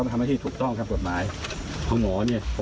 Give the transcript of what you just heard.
การทำให้มันตามกฎหมายจะพูดมาก